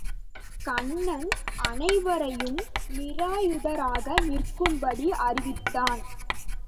கண்ணன் அனைவரையும் நிராயுதராக நிற்கும்படி அறிவித்தான்.